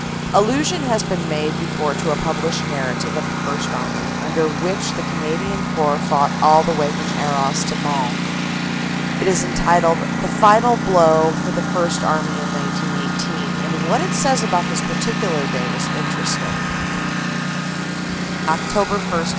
Allusion has been made before to a published narrative of the First Army, under which the Canadian Corps fought all the way from Arras to Mons. It is entitled, "The Final Blow of the First Army in 1918," and what it says about this partic ular day is interesting: OPERATIONS: SEPT. 30 OCT.